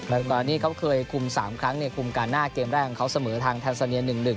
แล้วก็นี่เขาเคยคุม๓ครั้งคุมการหน้าเกมแรกของเขาเสมอทางแทนซาเนีย๑๑